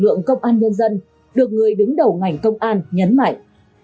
lực lượng công an nhân dân được người đứng đầu ngành công an nhấn mạnh